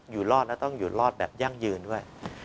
อยู่รอดและต้องอยู่รอดแบบยั่งยืนด้วย